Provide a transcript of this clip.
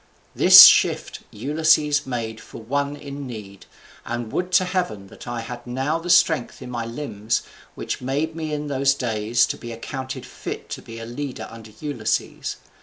This shift Ulysses made for one in need, and would to heaven that I had now that strength in my limbs which made me in those days to be accounted fit to be a leader under Ulysses!